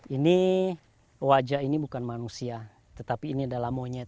ini wajah ini bukan manusia tetapi ini adalah monyet